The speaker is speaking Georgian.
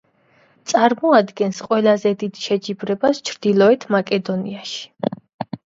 წარმოადგენს ყველაზე დიდ შეჯიბრებას ჩრდილოეთ მაკედონიაში.